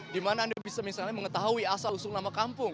di mana anda bisa mengetahui asal usul nama kampung